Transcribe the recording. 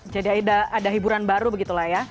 jadi ada hiburan baru begitu lah ya